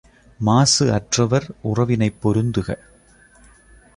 மாசு அற்றவர் உறவினைப் பொருந்துக.